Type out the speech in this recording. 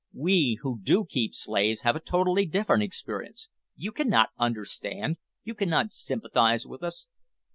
We who do keep slaves have a totally different experience. You cannot understand, you cannot sympathise with us."